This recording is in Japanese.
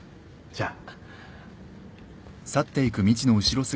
じゃあ。